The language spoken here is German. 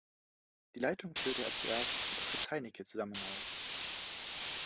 Die Leitung führte er zuerst mit Fritz Heinecke zusammen aus.